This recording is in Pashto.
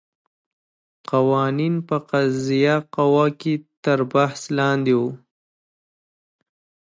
قوانین په قضایه قوه کې تر بحث لاندې وو.